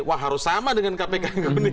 wah harus sama dengan kpk